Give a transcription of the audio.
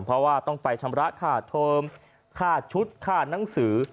เพราะว่าต้องไปชำระขาดเทอมขาดชุดขาดหนังสือ